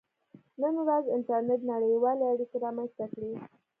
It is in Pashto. • نن ورځ انټرنېټ نړیوالې اړیکې رامنځته کړې.